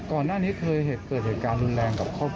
ก่อนหน้านี้เคยเกิดเหตุการณ์แรงกับเขา